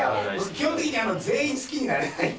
基本的に、全員好きになれないんで。